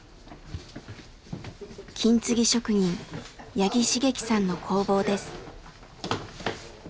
金継ぎ職人八木茂樹さんの工房です。